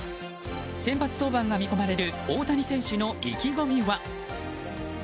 先発登板が見込まれる大谷選手の意気込みは。